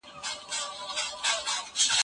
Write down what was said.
تاسي په خپلو لاسونو کي پاکوالی ساتئ.